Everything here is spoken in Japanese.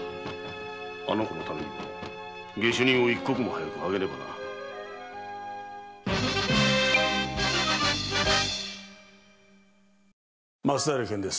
あの子のためにも下手人を一刻も早く挙げねばならん。